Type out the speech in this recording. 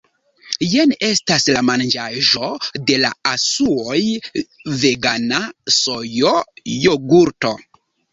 Jen estas la manĝaĵo de la asuoj vegana sojo-jogurto